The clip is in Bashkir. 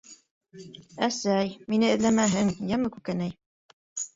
Әсәй... мине эҙләмәһен, йәме, Күкәнәй.